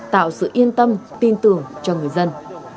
tạo sự yên tâm tin tưởng cho người dân